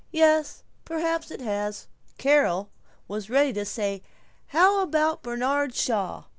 "Yes, perhaps it has." Carol was ready to say, "How about Bernard Shaw?"